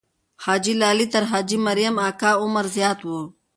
حاجي لالی تر حاجي مریم اکا عمر زیات وو.